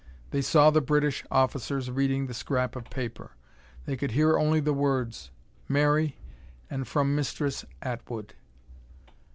They saw the British officers reading the scrap of paper. They could hear only the words, "Mary," and "from Mistress Atwood."